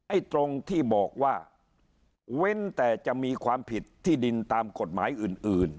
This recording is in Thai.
ตรงที่บอกว่าเว้นแต่จะมีความผิดที่ดินตามกฎหมายอื่น